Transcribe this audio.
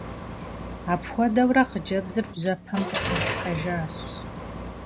Апхуэдэурэ хъыджэбзыр бжьэпэм къытехьэжащ.